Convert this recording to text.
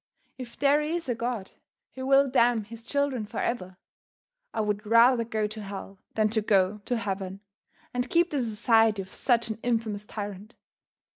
If there is a God who will damn his children forever, I would rather go to hell than to go to heaven and keep the society of such an infamous tyrant.